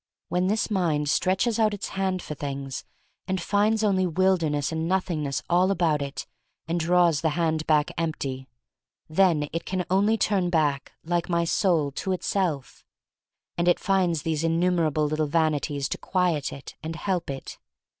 When this mind stretches out its hand for things and finds only wilderness and Nothingness all about it, and draws the hand back empty, then it can only turn back — like my soul — to itself. And it finds these innumerable little vanities to quiet it and help it.